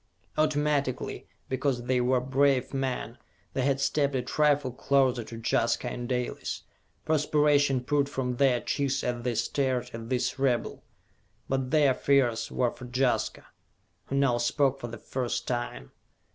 Automatically, because they were brave men, they had stepped a trifle closer to Jaska and Dalis. Perspiration poured from their cheeks as they stared at this rebel. But their fears were for Jaska, who now spoke for the first time.